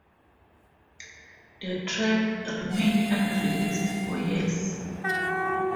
The track remained unreleased for years.